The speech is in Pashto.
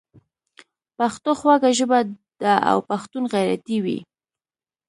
پښتو خوږه ژبه ده او پښتون غیرتي وي.